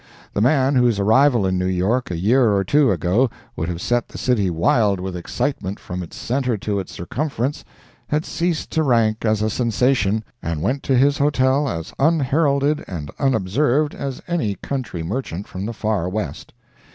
The man whose arrival in New York a year or two ago would have set the city wild with excitement from its centre to its circumference, had ceased to rank as a sensation, and went to his hotel as unheralded and unobserved as any country merchant from the far West.